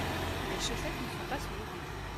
mes chaussettes ne sont pas sous le lit.